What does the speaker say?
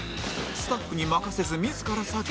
スタッフに任せず自ら作業